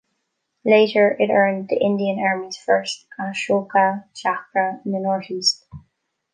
Later, it earned the Indian Army's first Ashoka Chakra in the North-East.